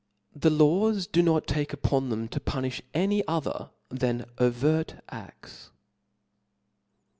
The laws do not take upon them to punifh any other than overt afts.